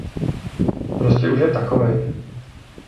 Prostě už je takovej.